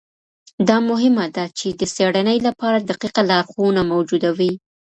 دا مهمه ده چي د څېړنې لپاره دقیقه لارښوونه موجوده وي.